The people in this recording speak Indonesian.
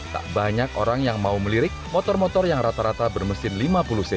tak banyak orang yang mau melirik motor motor yang rata rata bermesin lima puluh cm